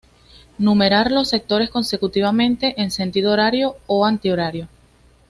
Numerar los sectores consecutivamente en sentido horario o antihorario.